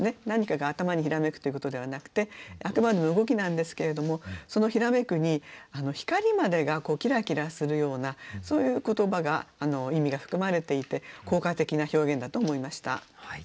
何かが頭にひらめくということではなくてあくまでも動きなんですけれどもその「ひらめく」に光までがきらきらするようなそういう言葉が意味が含まれていて効果的な表現だと思いました。